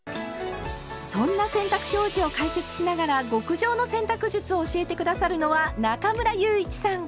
そんな洗濯表示を解説しながら極上の洗濯術を教えて下さるのは中村祐一さん。